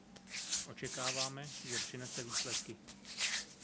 Očekáváme, že přinese výsledky.